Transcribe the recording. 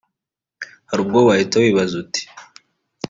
Hari ubwo wahita wibaza uti